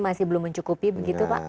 masih belum mencukupi begitu pak